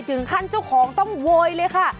ถึงขั้นเจ้าของต้องโวยเลยค่ะ